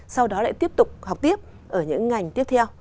sau đó lại tiếp tục học tiếp ở những ngành tiếp theo